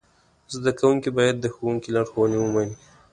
زده کوونکي باید د ښوونکي لارښوونې ومني.